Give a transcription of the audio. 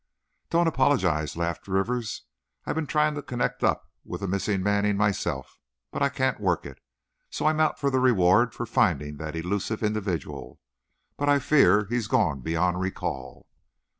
"Don't apologize," laughed Rivers, "I've been trying to connect up with the missing Manning myself, but I can't work it. So, I'm out for the reward for finding that elusive individual. But I fear he's gone beyond recall."